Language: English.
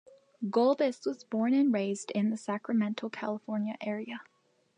Gulbis was born and raised in the Sacramento, California area.